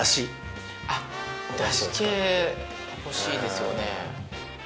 あっ出汁系欲しいですよね。